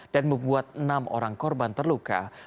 dan membuat enam orang korban terluka